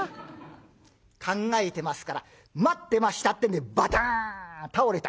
考えてますから待ってましたってんでバタン倒れた。